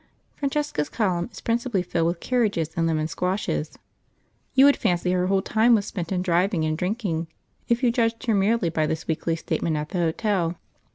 Francesca's column is principally filled with carriages and lemon squashes. You would fancy her whole time was spent in driving and drinking, if you judged her merely by this weekly statement at the hotel.